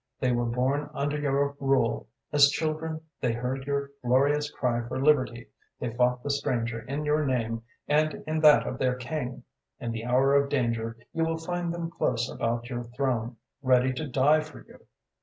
They were born under your rule, as children they heard your glorious cry for liberty, they fought the stranger in your name and in that of their king; in the hour of danger, you will find them close about your throne, ready to die for you.